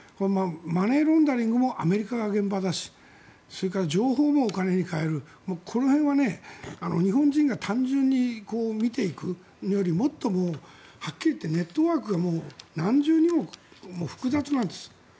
マネーローダリングもアメリカがあげる場だしそれから情報もお金に換えるこの辺は日本人が単純に見ていくより、もっとはっきり言ってネットワークが何重にも複雑なんです。